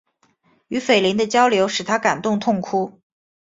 与斐琳的交流使他感动痛哭。